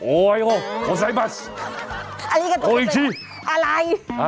โอ้โฮโฮไซมัสโคอิงชิอะไร